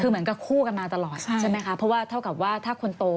คือเหมือนกับคู่กันมาตลอดใช่ไหมคะเพราะว่าเท่ากับว่าถ้าคนโต